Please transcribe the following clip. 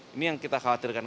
ini yang kita khawatirkan